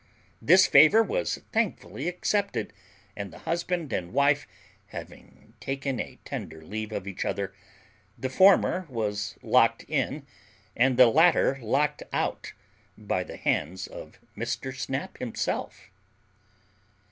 This favour was thankfully accepted, and, the husband and wife having taken a tender leave of each other, the former was locked in and the latter locked out by the hands of Mr. Snap himself.